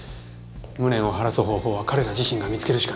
無念を晴らす方法は彼ら自身が見つけるしかない。